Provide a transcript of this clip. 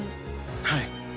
はい。